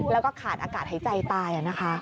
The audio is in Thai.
แล้วก็ขาดอากาศหายใจตายนะคะ